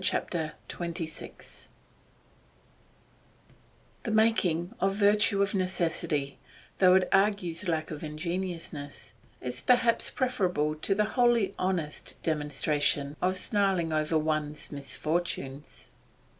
CHAPTER XXVI The making a virtue of necessity, though it argues lack of ingenuousness, is perhaps preferable to the wholly honest demonstration of snarling over one's misfortunes.